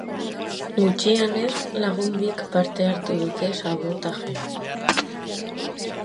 Gutxienez lagun bik parte hartu dute sabotajean.